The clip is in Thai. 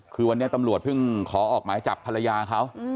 คือวันนี้ตำรวจเพิ่งขอออกหมายจับภรรยาเขา